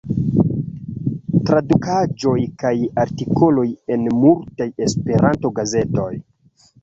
Tradukaĵoj kaj artikoloj en multaj Esperanto-gazetoj.